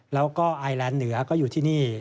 แล้วก็ไอแลนด์เหนือก็อยู่ที่นี่